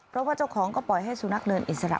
เพราะว่าเจ้าของก็ปล่อยให้สุนัขเดินอิสระ